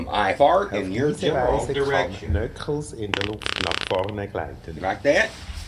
Auf diese Weise kann Knuckles in der Luft nach vorne gleiten.